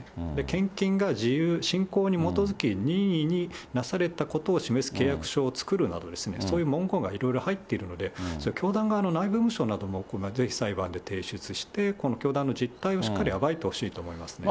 献金が自由信仰に基づき、任意になされたことを示す契約書を作るなど、そういう文言がいろいろ入っているので、教団側の内部文書なども裁判で提出して、この教団の実態をしっかり暴いてほしいなと思いますね。